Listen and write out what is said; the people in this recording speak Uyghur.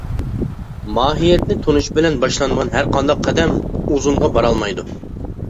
ماھىيەتنى تونۇش بىلەن باشلانمىغان ھەر قانداق قەدەم ئۇزۇنغا بارالمايدۇ.